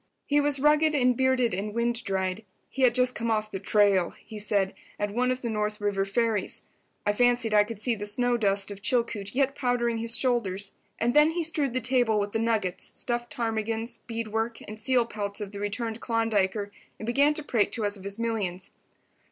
He was rugged and bearded and wind dried. He had just come off the "trail," he said, at one of the North River ferries. I fancied I could see the snow dust of Chilcoot yet powdering his shoulders. And then he strewed the table with the nuggets, stuffed ptarmigans, bead work and seal pelts of the returned Klondiker, and began to prate to us of his millions.